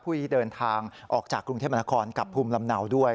ที่เดินทางออกจากกรุงเทพมนาคอนกับภูมิลำเนาด้วย